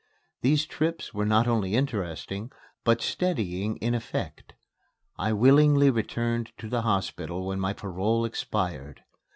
These trips were not only interesting, but steadying in effect. I willingly returned to the hospital when my parole expired.